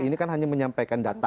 ini kan hanya menyampaikan data